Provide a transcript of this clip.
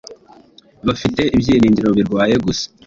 bafite ibyiringiro birwaye gusa